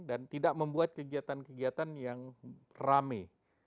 dan tidak membuat kegiatan kegiatan yang rame